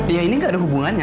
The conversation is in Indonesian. ya ini nggak ada hubungannya